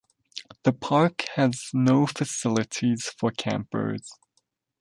The park has no facilities for campers.